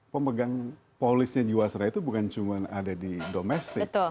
pemegang polisnya jiwasraya itu bukan cuma ada di domestik